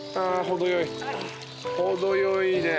程よいね。